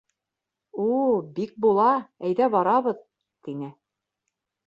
— У, бик була, әйҙә барабыҙ, — тине.